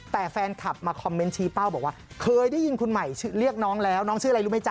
แต่แฟนคลับมาคอมเมนต์ชี้เป้าบอกว่าเคยได้ยินคุณใหม่เรียกน้องแล้วน้องชื่ออะไรรู้ไหมจ๊